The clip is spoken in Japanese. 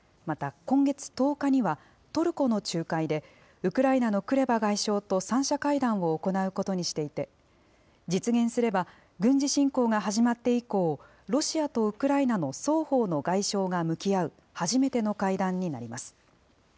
また今月１０日には、トルコの仲介で、ウクライナのクレバ外相と３者会談を行うことにしていて、実現すれば、軍事侵攻が始まって以降、ロシアとウクライナの双方の外相が向き合う初めての会談になります。